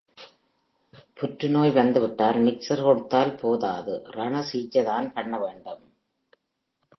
புற்றுநோய் வந்துவிட்டால் மிக்ஸர் கொடுத்தால் போதாது ரணசிகிச்சைதான் பண்ண வேண்டும்.